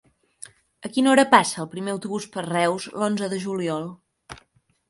A quina hora passa el primer autobús per Reus l'onze de juliol?